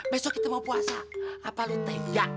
besok kita mau puasa apa lu tega